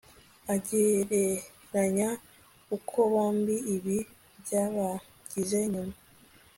agereranya uko bombi ibi byabagize nyuma